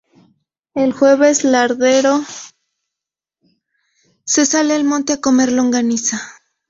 El "Jueves Lardero" se sale al monte a comer longaniza.